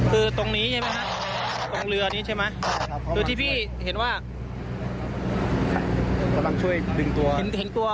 หน้าเรือนิโป๊ะอย่างนั้นครับ